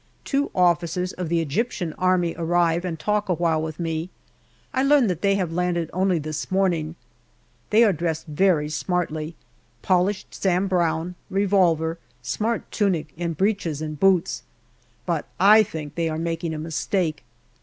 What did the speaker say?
Two officers of the Egyptian Army arrive and talk awhile with me. I learn that they have landed only this morning. They are dressed very smartly ; polished Sam Brown, revolver, smart tunic and breeches and boots, but I think they are making a mistake.